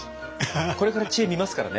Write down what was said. これから知恵見ますからね？